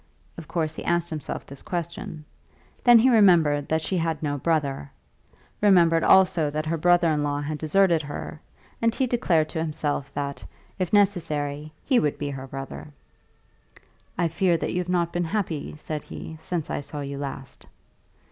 Of course he asked himself this question. Then he remembered that she had no brother, remembered also that her brother in law had deserted her, and he declared to himself that, if necessary, he would be her brother. "I fear that you have not been happy," said he, "since I saw you last."